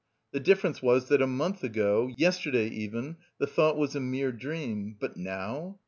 The difference was that a month ago, yesterday even, the thought was a mere dream: but now...